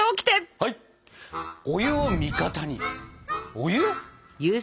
お湯？